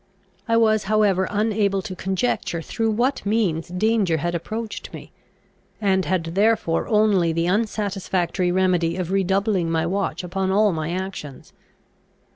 I was however unable to conjecture through what means danger had approached me; and had therefore only the unsatisfactory remedy of redoubling my watch upon all my actions.